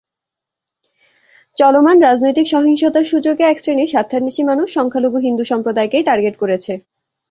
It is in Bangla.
চলমান রাজনৈতিক সহিংসতার সুযোগে একশ্রেণীর স্বার্থান্বেষী মানুষ সংখ্যালঘু হিন্দু সম্প্রদায়কেই টার্গেট করেছে।